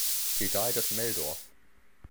He died at Meldorf.